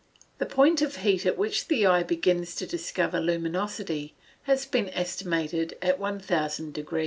_ The point of heat at which the eye begins to discover luminosity has been estimated at 1,000 deg.